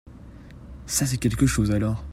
Ça c'est quelque choses alors.